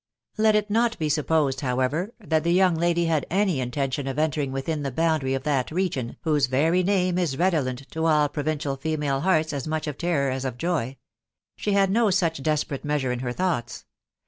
Let it not be supposed, however, that the young lady had any intention of entering within the boundary of that region, whose very name is redolent to all provincial female hearts as muc||0pf terror as of joy ; she had no such desperate measure m her thoughts.